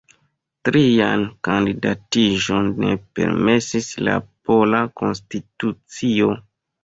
Trian kandidatiĝon ne permesis la pola konstitucio.